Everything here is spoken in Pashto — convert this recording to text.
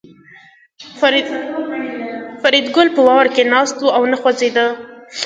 فریدګل په واوره کې ناست و او نه خوځېده